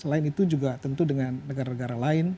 selain itu juga tentu dengan negara negara lain